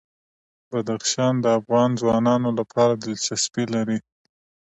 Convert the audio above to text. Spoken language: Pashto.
بدخشان د افغان ځوانانو لپاره دلچسپي لري.